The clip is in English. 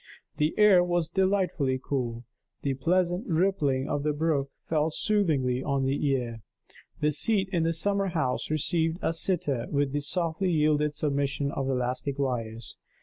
The air was delightfully cool, the pleasant rippling of the brook fell soothingly on the ear, the seat in the summer house received a sitter with the softly yielding submission of elastic wires.